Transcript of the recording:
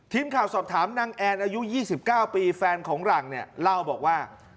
ทีมข่าวสอบถามนางแอนอายุ๒๙ปีแฟนของหลังเนี่ยเล่าบอกว่า